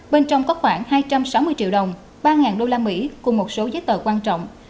bên trong có khoảng hai trăm sáu mươi triệu đồng ba đô la mỹ cùng một số giấy tờ quan trọng